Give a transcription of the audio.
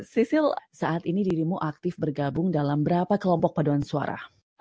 sisil saat ini dirimu aktif bergabung dalam berapa kelompok paduan suara